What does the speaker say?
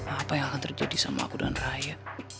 apa yang akan terjadi sama aku dan rakyat